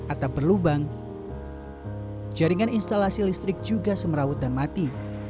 atap berlubang jaringan instalasi listrik juga semerawut dan mati